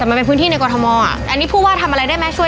แต่มันเป็นพื้นที่ในกรทมอ่ะอันนี้พูดว่าทำอะไรได้ไหมช่วย